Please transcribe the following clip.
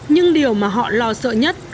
nhưng điều mà họ lo sợ nhất